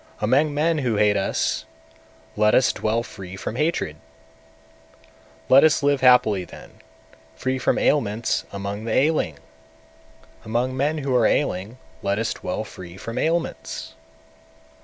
among men who hate us let us dwell free from hatred! 198. Let us live happily then, free from ailments among the ailing! among men who are ailing let us dwell free from ailments!